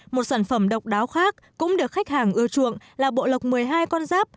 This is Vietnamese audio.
một sản phẩm độc đáo khác cũng được khách hàng ưa chuộng là bộ lọc một mươi hai con giáp